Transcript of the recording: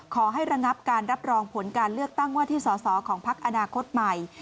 ขอให้ระงับการรับรองผลการเลือกตั้งว่าที่สอสอของพักอนาคตใหม่